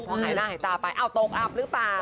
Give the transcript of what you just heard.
พอหายหน้าหายตาไปโต๊บอ่าบหรือเป่า